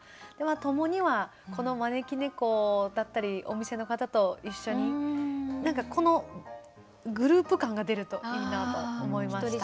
「ともに」はこの招き猫だったりお店の方と一緒に何かこのグループ感が出るといいなと思いました。